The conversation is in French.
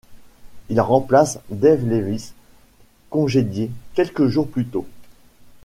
Il remplace Dave Lewis congédié quelques jours plus tôt.